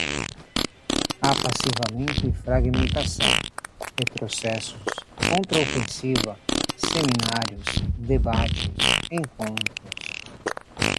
Apassivamento e fragmentação, retrocessos, contraofensiva, seminários, debates, encontros